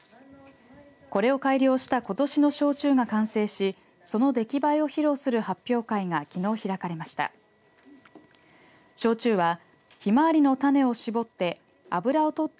これを改良したことしの焼酎が完成しその出来栄えを披露する発表会がきのう開かれました。